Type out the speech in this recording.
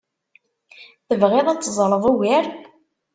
Tebɣiḍ ad teẓreḍ ugar?